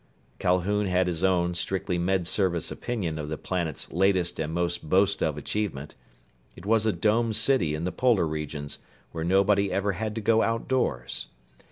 Calhoun had his own, strictly Med Service opinion of the planet's latest and most boasted of achievement. It was a domed city in the polar regions, where nobody ever had to go outdoors.